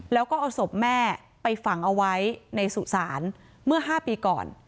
แล้วก็เอาศพแม่ไปฝังเอาไว้ในสุสานเมื่อ๕ปีก่อน